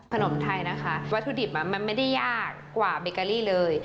ขนมไทยนะคะวัตถุดิบมันไม่ได้ยากกว่าเบเกอรี่เลย